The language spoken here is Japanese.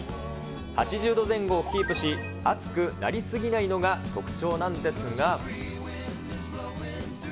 ８０度前後をキープし、熱くなりすぎないのが特徴なんですが。